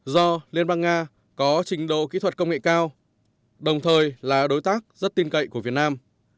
do liên bang nga có trình độ kỹ thuật công nghệ cao đồng thời là đối tác rất tin cậy của việt nam